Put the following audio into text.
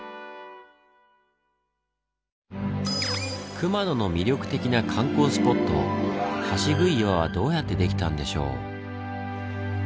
熊野の魅力的な観光スポット橋杭岩はどうやって出来たんでしょう？